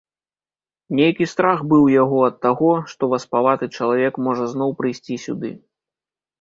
Нейкі страх быў у яго ад таго, што васпаваты чалавек можа зноў прыйсці сюды.